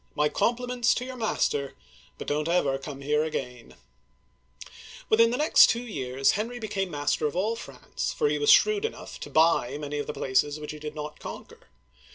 My compliments to your master, but don't ever come here again !*' Within the next two years, Henry became master of all France, for he was shrewd enough to buy many of the places which he did not conquer.